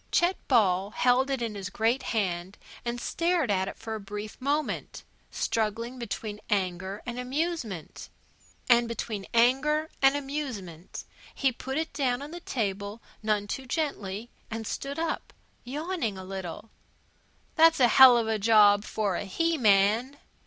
Chet Ball held it in his great hand and stared at it for a brief moment, struggling between anger and amusement. And between anger and amusement he put it down on the table none too gently and stoop up, yawning a little. "That's a hell of a job for a he man!"